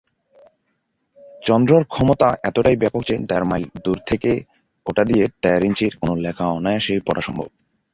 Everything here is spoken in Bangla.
চন্দ্র’র ক্ষমতা এতটাই ব্যাপক যে, দেড় মাইল দূর থেকে ওটা দিয়ে দেড় ইঞ্চির কোনো লেখা অনায়াসে পড়া সম্ভব।